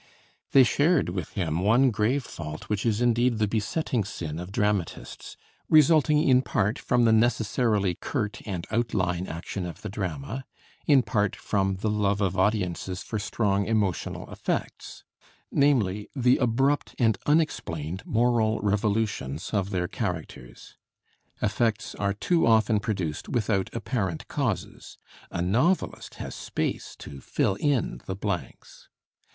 They shared with him one grave fault which is indeed the besetting sin of dramatists, resulting in part from the necessarily curt and outline action of the drama, in part from the love of audiences for strong emotional effects; namely, the abrupt and unexplained moral revolutions of their characters. Effects are too often produced without apparent causes; a novelist has space to fill in the blanks.